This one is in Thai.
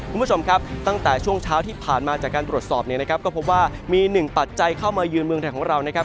คุณผู้ชมครับตั้งแต่ช่วงเช้าที่ผ่านมาจากการตรวจสอบเนี่ยนะครับก็พบว่ามีหนึ่งปัจจัยเข้ามายืนเมืองไทยของเรานะครับ